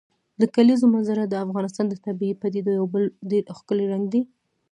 د کلیزو منظره د افغانستان د طبیعي پدیدو یو بل ډېر ښکلی رنګ دی.